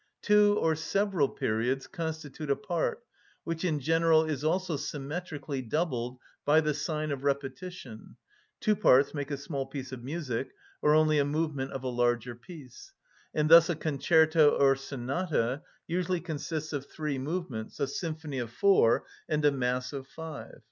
Two or several periods constitute a part, which in general is also symmetrically doubled by the sign of repetition; two parts make a small piece of music, or only a movement of a larger piece; and thus a concerto or sonata usually consists of three movements, a symphony of four, and a mass of five.